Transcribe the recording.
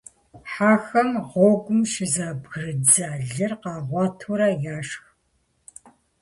Хьэхэм гъуэгум щызэбгрыддза лыр къагъуэтурэ, яшх.